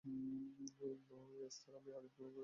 ওহ, Esther আর আমি আগেই প্ল্যান করে রেখেছি।